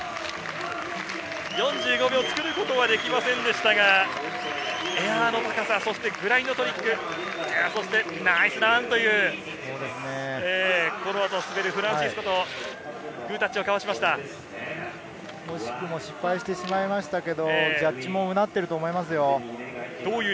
４５秒作ることはできませんでしたが、エアの高さ、グラインドトリック、そしてナイスランという、この後滑るフランシスコとグータッチを失敗してしまいましたけれど、ジャッジもうなっていると思いますよ。